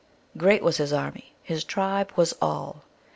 Great was his army, his tribe was All.